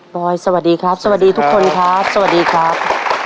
บอยสวัสดีครับสวัสดีทุกคนครับ